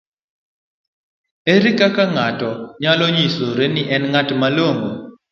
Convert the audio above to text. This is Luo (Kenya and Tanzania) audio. ere kaka ng'ato nyalo nyisore ni en ng'at malong'o?